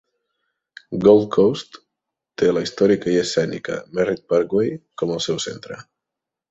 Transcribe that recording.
Gold Coast té la històrica i escènica Merritt Parkway com el seu centre.